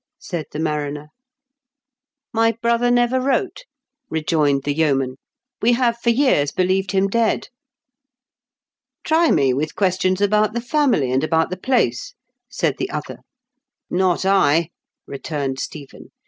" said the mariner. " My brother never wrote," rejoined the yeoman. " We have for years believed him dead." " Try me with questions about the family and about the place," said the other. " Not I," returned Stephen.